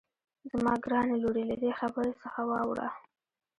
زما ګرانې لورې له دې خبرې څخه واوړه.